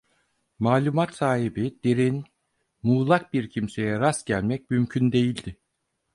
Malumat sahibi, derin, muğlak bir kimseye rast gelmek mümkün değildi.